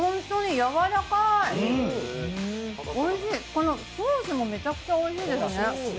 このソースもめちゃくちゃおいしいですね。